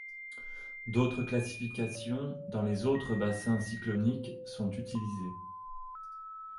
D'autres classifications dans les autres bassins cycloniques sont utilisées.